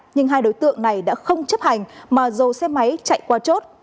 nhưng hai đối tượng này đã không chấp hành mà dầu xe máy chạy qua chốt